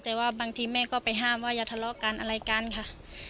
แต่ว่าบางทีแม่ก็ไปห้ามว่าอย่าทะเลาะกันอะไรกันค่ะ